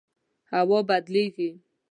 هوا بدلیږي